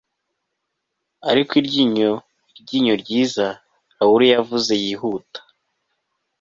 Ariko iryinyoiryinyo ryiza Laura yavuze yihuta